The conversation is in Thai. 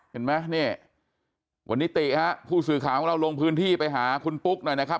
เห็นไหมนี่วันนี้ติฮะผู้สื่อข่าวของเราลงพื้นที่ไปหาคุณปุ๊กหน่อยนะครับ